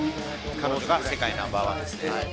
彼女が世界ナンバーワンですね。